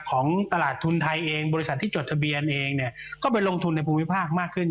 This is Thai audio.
ของตลาดทุนไทยเองบริษัทที่จดทะเบียนเองเนี่ยก็ไปลงทุนในภูมิภาคมากขึ้น